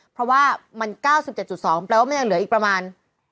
เพราะว่ามัน๙๗๒แปลว่ามันยังเหลืออีกประมาณ